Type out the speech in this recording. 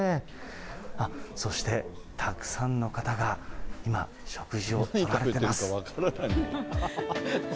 あっ、そしてたくさんの方が今、食事をとられています。